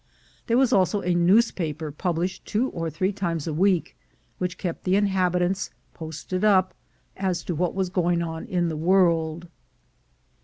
There was also a newspaper published two or three times a week, which kept the inhabitants "posted up" as to what was going on in the world.